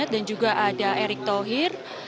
dan juga ada erik thohir